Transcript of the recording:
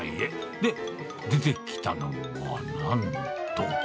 で、出てきたのがなんと。